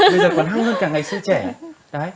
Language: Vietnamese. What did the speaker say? bây giờ còn hăng hơn cả ngày xưa trẻ